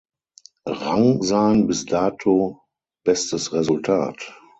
Rang sein bis dato bestes Resultat.